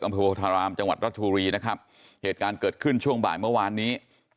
โพธารามจังหวัดรัชบุรีนะครับเหตุการณ์เกิดขึ้นช่วงบ่ายเมื่อวานนี้